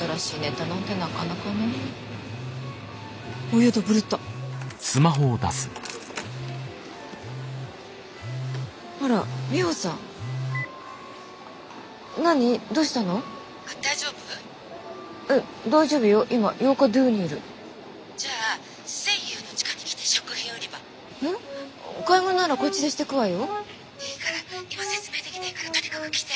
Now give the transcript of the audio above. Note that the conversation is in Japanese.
いいから今説明できないからとにかく来て。